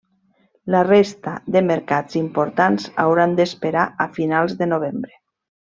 La resta de mercats importants hauran d'esperar a finals de novembre.